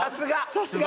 さすが！